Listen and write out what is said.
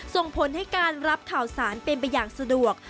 ส่งผลให้การรับข่าวสารเป็นไปอย่างสะดวก